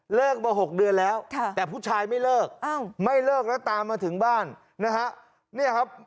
มา๖เดือนแล้วแต่ผู้ชายไม่เลิกไม่เลิกแล้วตามมาถึงบ้านนะฮะเนี่ยครับ